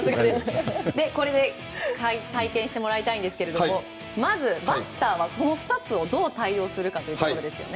体験してもらいたいんですがまず、バッターはこの２つをどう対応するかというところですよね。